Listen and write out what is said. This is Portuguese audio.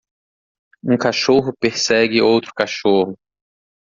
um cachorro persegue outro cachorro.